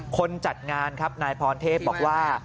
คนจัดงานครับนายพรเทพบอกว่า